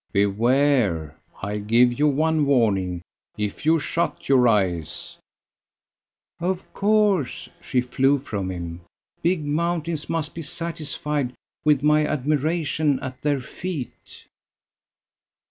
"Beware. I give you one warning. If you shut your eyes ..." "Of course," she flew from him, "big mountains must be satisfied with my admiration at their feet."